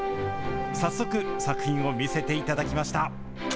早速、作品を見せていただきました。